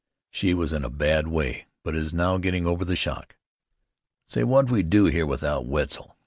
She was in a bad way, but is now getting over the shock." "Say, what'd we do here without Wetzel?"